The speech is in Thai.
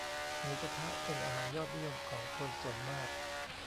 หมูกะทะเป็นอาหารยอดนิยมของคนส่วนมาก